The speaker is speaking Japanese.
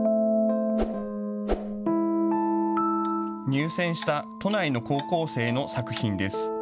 入選した都内の高校生の作品です。